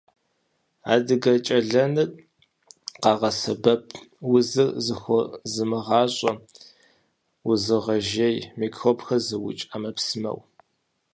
Адыгэкӏэлэныр къагъэсэбэп узыр зэхозымыгъащӏэ, узыгъэжей, микробхэр зыукӏ ӏэмэпсымэу.